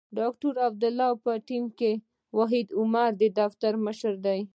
د ډاکټر عبدالله په ټیم کې وحید عمر د دفتر مشر دی.